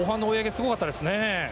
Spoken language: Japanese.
すごかったですね。